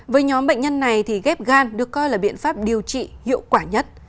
với nhóm bệnh nhân này thì ghép gan được coi là biện pháp điều trị hiệu quả nhất